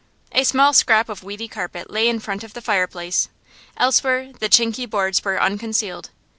A small scrap of weedy carpet lay in front of the fireplace; elsewhere the chinky boards were unconcealed.